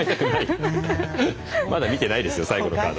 まだ見てないですよ最後のカード。